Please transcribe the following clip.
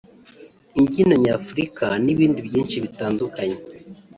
imbyino nyafurika n’ibindi byinshi bitandukanye